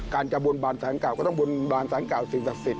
การจะบนบานสารเก่าก็ต้องบนบานสารเก่าสิ่งศักดิ์สิทธ